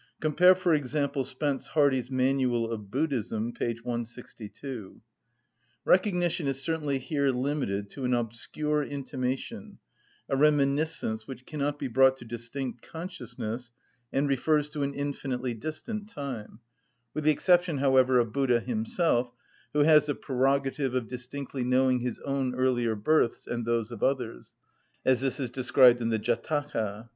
(Cf., for example, Spence Hardy's "Manual of Buddhism," p. 162.) Recognition is certainly here limited to an obscure intimation, a reminiscence which cannot be brought to distinct consciousness, and refers to an infinitely distant time;—with the exception, however, of Buddha himself, who has the prerogative of distinctly knowing his own earlier births and those of others;—as this is described in the "Jâtaka."